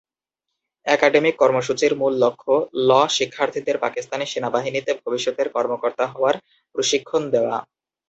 Academic কর্মসূচির মূল লক্ষ্য 'ল শিক্ষার্থীদের পাকিস্তানি সেনাবাহিনীতে ভবিষ্যতের কর্মকর্তা হওয়ার প্রশিক্ষণ দেওয়া।